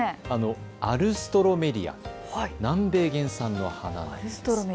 アルストロメリア、南米原産の花です。